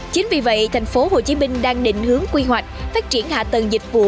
chính vì vậy thành phố hồ chí minh đang định hướng quy hoạch phát triển hạ tầng dịch vụ